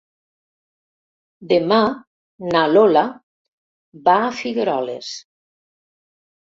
Demà na Lola va a Figueroles.